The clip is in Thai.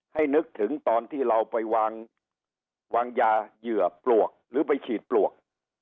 นึกถึงตอนที่เราไปวางยาเหยื่อปลวกหรือไปฉีดปลวก